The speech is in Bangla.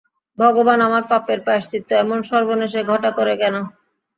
ভগবান, আমার পাপের প্রায়শ্চিত্ত এমন সর্বনেশে ঘটা করে কেন!